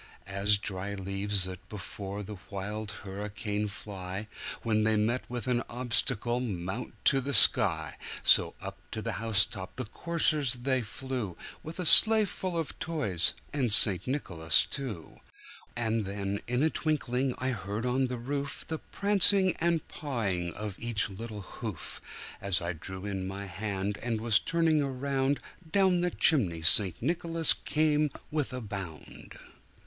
As dry leaves that before the wild hurricane fly, When they meet with an obstacle, mount to the sky, So up to the house top the coursers they flew, With the sleigh full of toys, and St. Nicholas too. And then, in a twinkling, I heard on the roof The prancing and pawing of each little hoof. As I drew in my hand, and was turning around, Down the chimney St. Nicholas came with a bound.